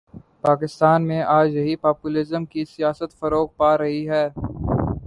پاکستان میں آج یہی پاپولزم کی سیاست فروغ پا رہی ہے۔